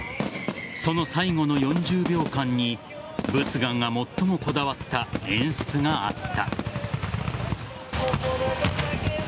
その最後の４０秒間に佛願が最もこだわった演出があった。